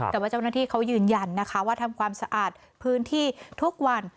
แต่ว่าเจ้าหน้าที่เขายืนยันนะคะว่าทำความสะอาดพื้นที่ทุกวัน